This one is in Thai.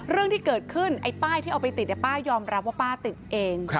เรื่องที่เกิดขึ้นไอ้ป้ายที่เอาไปติดป้ายอมรับว่าป้าติดเอง